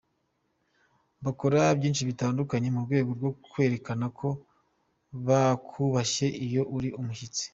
Bakora byinshi bitandukanye mu rwego rwo kukwereka ko bakubashye iyo uri ‘umushyitsi’.